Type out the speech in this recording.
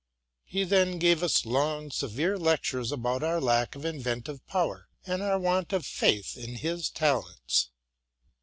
He then gave us long, severe lectures about our lack of inventive power, and our want of faith in his talents.